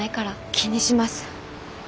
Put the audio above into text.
気にします。